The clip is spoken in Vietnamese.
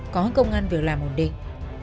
có công an việc làm ổn định